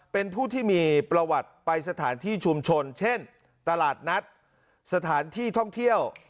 เป็นผู้ที่มีประวัติไปสถานที่ชุมชนเช่นตลาดนัดสถานที่ท่องเที่ยว